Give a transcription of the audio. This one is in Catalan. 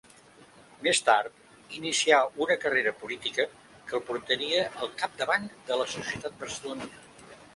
Més tard inicià una carrera política que el portaria al capdavant de la societat barcelonina.